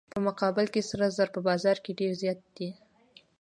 په مقابل کې سره زر په بازار کې ډیر زیات دي.